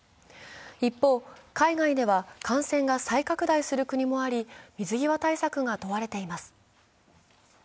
一方、海外では感染が再拡大する国もあり水際対策が問われています。